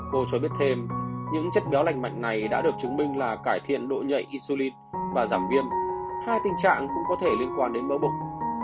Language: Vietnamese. cô cho biết thêm những chất kéo lành mạnh này đã được chứng minh là cải thiện độ nhạy isulin và giảm viêm hai tình trạng cũng có thể liên quan đến mẫu bụng